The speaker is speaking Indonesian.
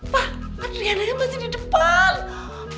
pak adriananya masih di depan